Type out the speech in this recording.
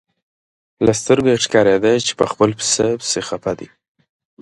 له سترګو یې ښکارېده چې په خپل پسه پسې خپه دی.